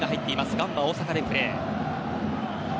ガンバ大阪でプレー。